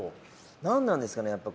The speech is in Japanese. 何なんですかね。